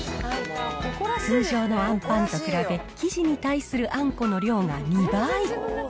通常のあんパンと比べ、生地に対するあんこの量が２倍。